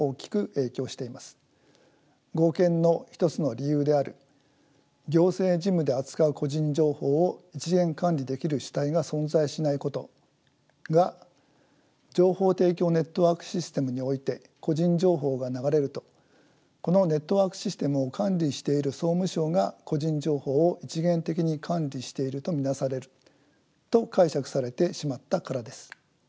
合憲の一つの理由である行政事務で扱う個人情報を一元管理できる主体が存在しないことが情報提供ネットワークシステムにおいて個人情報が流れるとこのネットワークシステムを管理している総務省が個人情報を一元的に管理していると見なされると解釈されてしまったからです。